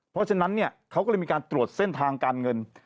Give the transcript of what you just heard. เพราะฉะนั้นเนี่ยเขาก็เลยมีการตรวจเส้นทางการเงิน